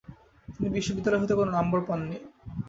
তিনি বিশ্ববিদ্যালয় হতে কোন নম্বর পান নি।